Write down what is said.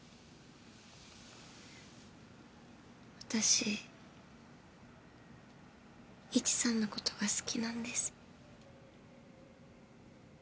私イチさんのことが好きなんです。